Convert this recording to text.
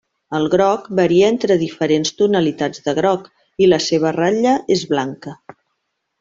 El groc varia entre diferents tonalitats de groc, i la seva ratlla és blanca.